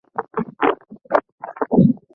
Kaafuri pia kali, dawa ya ndwele Fulani,